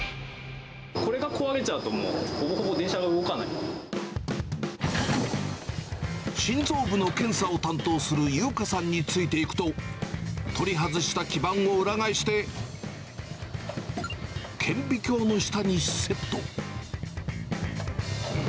これが壊れちゃうと、心臓部の検査を担当する優花さんについていくと、取り外した基板を裏返して、顕微鏡の下にセット。